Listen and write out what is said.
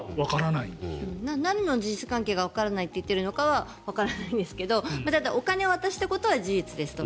なんの事実関係がわからないと言っているのかはわからないんですけどお金を渡したことは事実ですと。